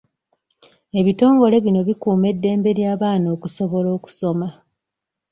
Ebitongole bino bikuuma eddembe ly'abaana okusobola okusoma.